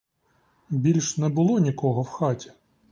Більш не було нікого в хаті.